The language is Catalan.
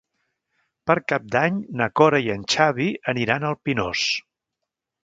Per Cap d'Any na Cora i en Xavi aniran al Pinós.